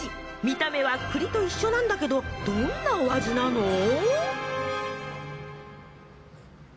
見た目は栗と一緒なんだけどどんなお味なの？